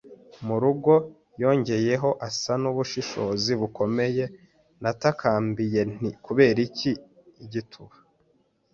murugo? ” yongeyeho asa nubushishozi bukomeye. Natakambiye nti: “Kubera iki, igituba a